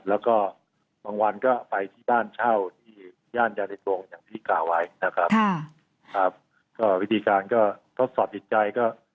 แล้วก็งี้เวลาก็ไปใช้บ้านช่องเช่าพิธีการก็สอบติดใจ